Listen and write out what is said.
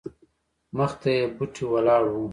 مخته یې بوټې ولاړ وو.